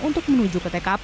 untuk menuju ke tkp